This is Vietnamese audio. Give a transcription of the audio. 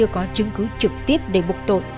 có chứng cứ trực tiếp để buộc tội